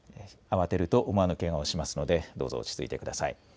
慌てると思わぬけがをしますので、どうぞ落ち着いてください。